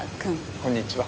こんにちは。